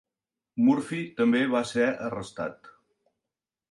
Murphy també va ser arrestat.